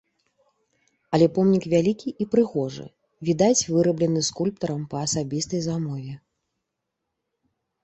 Але помнік вялікі і прыгожы, відаць, выраблены скульптарам па асабістай замове.